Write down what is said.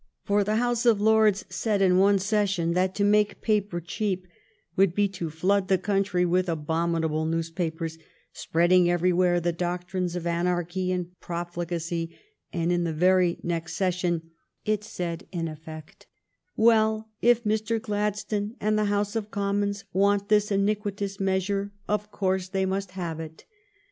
For the House of Lords said in one session that to 230 THE STORY OF GLADSTONE'S LIFE make paper cheap would be to flood the country with abominable newspapers, spreading everywhere the doctrines of anarchy and profligacy, and in the very next session it said in effect, " Well, if Mr. Gladstone and the House of Commons want this iniquitous measure, of course they must have it.